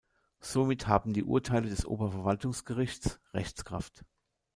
Somit haben die Urteile des Oberverwaltungsgerichts Rechtskraft.